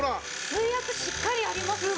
水圧しっかりありますしね。